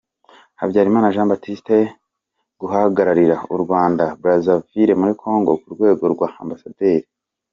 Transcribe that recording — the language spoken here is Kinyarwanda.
Habyarimana Jean Baptiste guhagararira u Rwanda i Brazzaville muri Congo, ku rwego rwa Ambasaderi.